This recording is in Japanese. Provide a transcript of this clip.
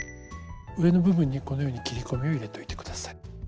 上の部分にこのように切り込みを入れといて下さい。